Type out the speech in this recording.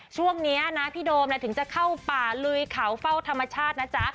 ช่วงนี้นะพี่โดมถึงจะเข้าป่าลุยเขาเฝ้าธรรมชาตินะจ๊ะ